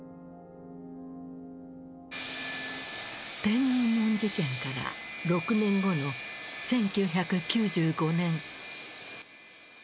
天安門事件から６年後の１９９５年。